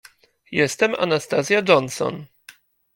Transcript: "Jestem Anastazja Johnson."